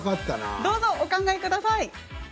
どうぞお考えください。